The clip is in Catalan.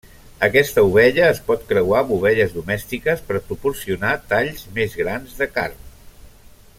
Aquesta ovella es pot creuar amb ovelles domèstiques per proporcionar talls més grans de carn.